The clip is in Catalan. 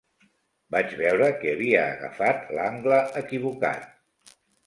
Vaig veure que havia agafat l'angle equivocat.